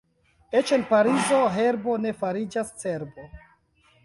Eĉ en Parizo herbo ne fariĝas cerbo.